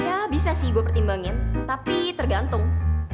ya bisa sih gue pertimbangin tapi tergantung